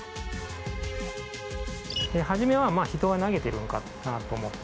初めは人が投げてるのかなと思って。